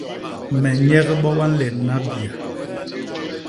Me nyék bo ba nleñna biya.